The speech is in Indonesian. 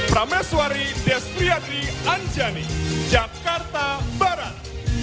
prameswari destriadri anjani jakarta barat